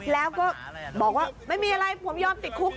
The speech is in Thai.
แล้วก็บอกว่าไม่มีอะไรผมยอมติดคุก